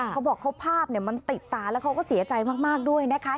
เขาบอกภาพมันติดตาแล้วเขาก็เสียใจมากด้วยนะคะ